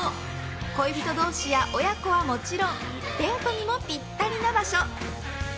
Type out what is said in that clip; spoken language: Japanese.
恋人同士や親子はもちろんデートにもピッタリな場所。